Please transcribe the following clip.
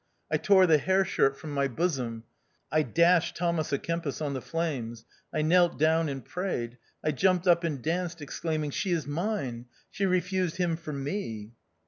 I tore the hair shirt from my bosom. I dashed Thomas a Kempis on the flames. I knelt down and prayed. I jumped up and danced, exclaiming, " She is mine ! She refused him for me